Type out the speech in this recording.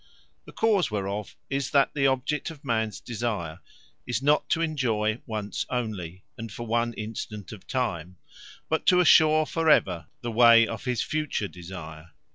The cause whereof is, That the object of mans desire, is not to enjoy once onely, and for one instant of time; but to assure for ever, the way of his future desire.